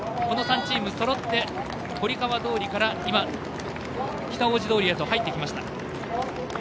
この３チームそろって堀川通から北大路通へと入ってきました。